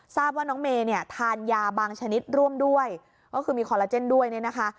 ทราบว่าน้องเมย์เนี่ยทานยาบางชนิดร่วมด้วยก็คือมีคอลลาเจนด้วยเนี่ยนะคะ